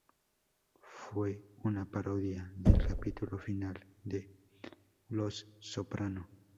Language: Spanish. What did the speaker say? Fue una parodia del capítulo final de "Los Soprano".